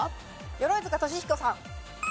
鎧塚俊彦さん。